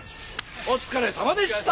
お疲れさまでした。